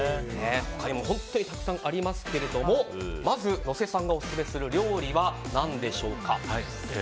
他にも本当にたくさんありますけれどもまず、野瀬さんがオススメする料理は何でしょうか？